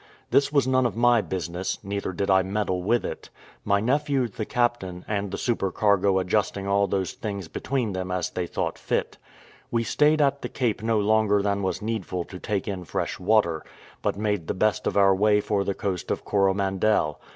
This was none of my business, neither did I meddle with it; my nephew, the captain, and the supercargo adjusting all those things between them as they thought fit. We stayed at the Cape no longer than was needful to take in fresh water, but made the best of our way for the coast of Coromandel.